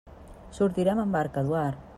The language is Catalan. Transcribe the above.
Sortirem amb barca, Eduard.